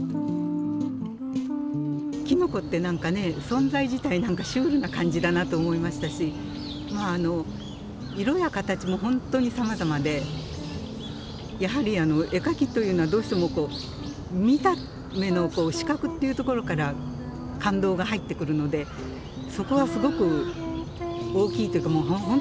きのこって何かね存在自体何かシュールな感じだなと思いましたし色や形も本当にさまざまでやはり絵描きというのはどうしても見た目の視覚っていうところから感動が入ってくるのでそこはすごく大きいというか本当にはじめはそうですね。